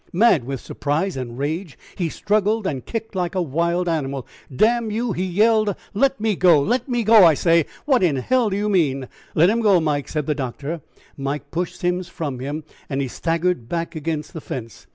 Mad with surprise and rage, he struggled and kicked like a wild animal. "Damn you," he yelled, "let me go; let go, I say! What in hell do you mean?" "Let him go, Mike," said the doctor. Mike pushed Simms from him, and he staggered back against the fence.